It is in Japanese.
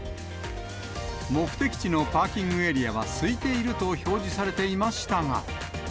目的地のパーキングエリアはすいていると表示されていましたが。